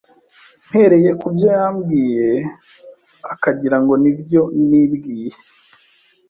mpereye ku byo yambwiye akagirango ni ibyo nibwiye